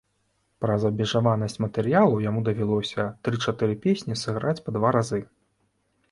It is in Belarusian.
Праз абмежаванасць матэрыялу яму давялося тры-чатыры песні сыграць па два разы.